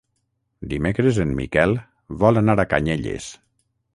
Dimecres en Miquel vol anar a Canyelles.